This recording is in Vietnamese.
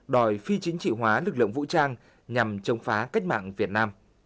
đòi phi chính trị hóa lực lượng vũ trang nhằm chống phá cách mạng việt nam